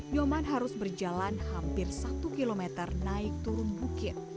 nyoman harus berjalan hampir satu km naik turun bukit